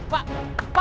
pak sini pak